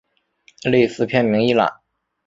类似片名一览